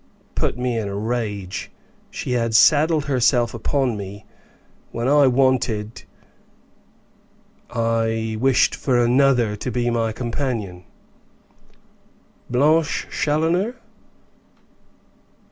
"Put me in a rage. She had saddled herself upon me, when I wanted I wished for another to be my companion." "Blanche Challoner."